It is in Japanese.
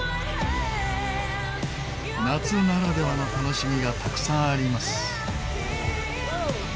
夏ならではの楽しみがたくさんあります。